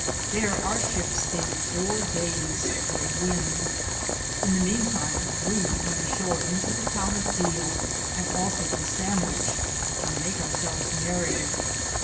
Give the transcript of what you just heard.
Thar our ship stayed fouer dayes for a wynde. In the meane time we wente a shore into the towne of Deale, and also to Sand wiche, to make our selves merrie.